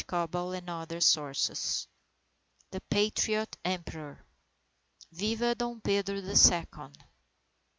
Koebel and Other Sources_ THE PATRIOT EMPEROR I _Viva Dom Pedro the Second!